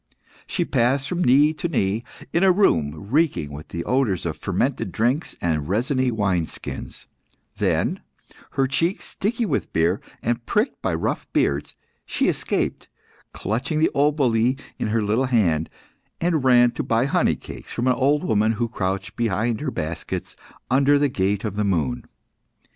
She passed from knee to knee, in a room reeking with the odours of fermented drinks and resiny wine skins; then, her cheeks sticky with beer and pricked by rough beards, she escaped, clutching the oboli in her little hand, and ran to buy honey cakes from an old woman who crouched behind her baskets under the Gate of the Moon.